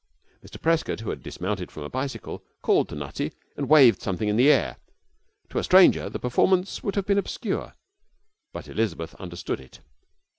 Mr Prescott, who had dismounted from a bicycle, called to Nutty and waved something in the air. To a stranger the performance would have been obscure, but Elizabeth understood it.